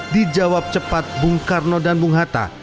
dijawab cepat bung karno dan bung hatta